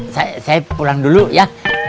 saya pulang dulu ya